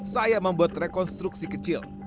saya membuat rekonstruksi kecil